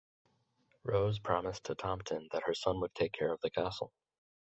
Rose promised to Tomten that her son would take care of the castle.